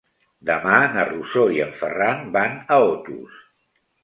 Demà na Rosó i en Ferran van a Otos.